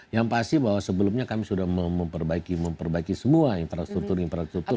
yang pasti bahwa sebelumnya kami sudah memperbaiki semua infrastruktur infrastruktur